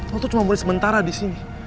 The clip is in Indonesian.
lo tuh cuma boleh sementara disini